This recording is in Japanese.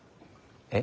えっ？